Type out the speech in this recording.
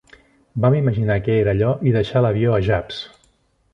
Vam imaginar que era allò i deixar l"avió a Japs.